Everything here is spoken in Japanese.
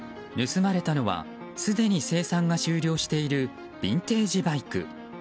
盗まれたのはすでに生産が終了しているビンテージバイク。